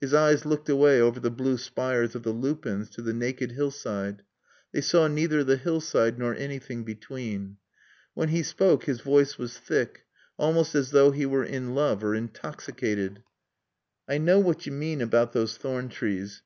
His eyes looked away over the blue spires of the lupins to the naked hillside. They saw neither the hillside nor anything between. When he spoke his voice was thick, almost as though he were in love or intoxicated. "I knaw what yo mane about those thorn trees.